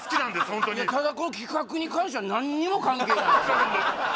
ホントにただこの企画に関しては何にも関係ないすいません